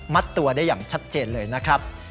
ตัวได้อย่างชัดเจนเลยนะครับ